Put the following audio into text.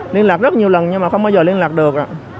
liên lạc rất nhiều lần nhưng mà không bao giờ liên lạc được